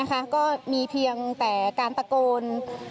ก็มีเพียงแต่การตะโกน